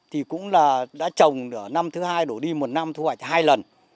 thì cũng là đã trồng năm thứ hai đổ đi một năm thu hoạch hai lần